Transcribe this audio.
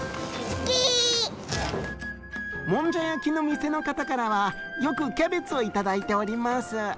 もんじゃ焼きの店の方からはよくキャベツを頂いております。